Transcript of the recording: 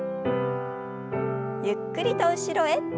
ゆっくりと後ろへ。